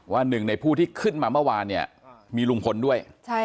หนึ่งในผู้ที่ขึ้นมาเมื่อวานเนี่ยมีลุงพลด้วย